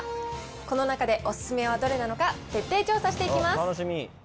この中でお勧めはどれなのか、徹底調査していきます。